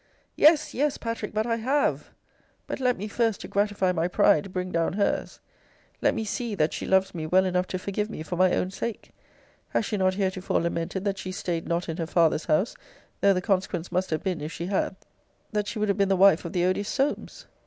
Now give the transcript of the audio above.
Yes, yes, Patrick, but I have. But let me, first, to gratify my pride, bring down her's. Let me see, that she loves me well enough to forgive me for my own sake. Has she not heretofore lamented that she staid not in her father's house, though the consequence must have been, if she had, that she would have been the wife of the odious Solmes?